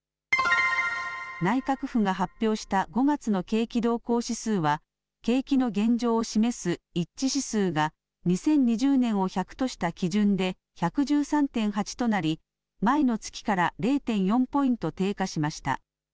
内閣府が発表した５月の景気動向指数は、景気の現状を示す一致指数が、２０２０年を１００とした基準で、１１３．８となり、前の月から０．４ポイント低下しました。